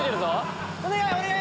お願いお願い！